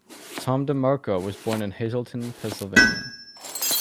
Tom DeMarco was born in Hazleton, Pennsylvania.